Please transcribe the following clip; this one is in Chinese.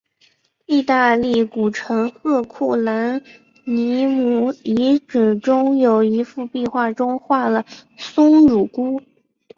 意大利古城赫库兰尼姆遗址中有一幅壁画中画了松乳菇。